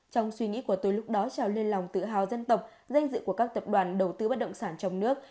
trong suy nghĩ của tôi lúc đó trào lên lòng tự hào dân tộc danh dự của các tập đoàn đầu tư bất động sản trong nước